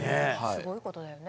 すごいことだよね。